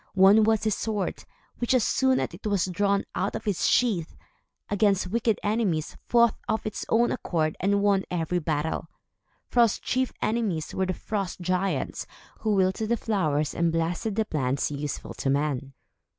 One was his sword, which, as soon as it was drawn out of its sheath, against wicked enemies, fought of its own accord and won every battle. Fro's chief enemies were the frost giants, who wilted the flowers and blasted the plants useful to man.